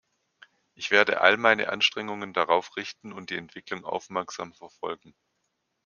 Ich werde all meine Anstrengungen darauf richten und die Entwicklung aufmerksam verfolgen.